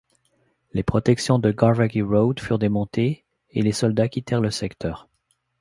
Les protections de Garvaghy Road furent démontées et les soldats quittèrent le secteur.